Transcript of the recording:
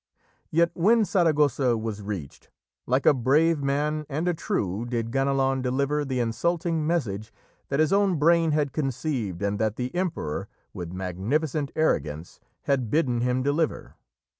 Yet, when Saragossa was reached, like a brave man and a true did Ganelon deliver the insulting message that his own brain had conceived and that the Emperor, with magnificent arrogance, had bidden him deliver.